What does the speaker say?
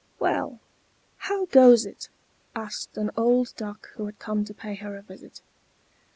"Well, how goes it?" asked an old Duck who had come to pay her a visit.